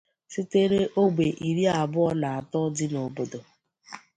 sitere ógbè iri abụọ na atọ dị n'obodo